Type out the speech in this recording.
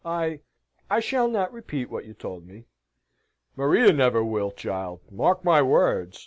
"I I shall not repeat what you told me." "Maria never will, child mark my words!"